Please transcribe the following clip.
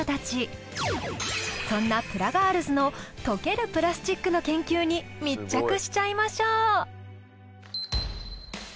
そんなプラガールズの溶けるプラスチックの研究に密着しちゃいましょう。